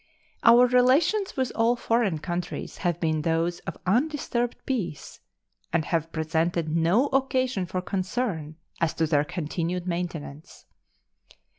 Our relations with all foreign countries have been those of undisturbed peace, and have presented no occasion for concern as to their continued maintenance.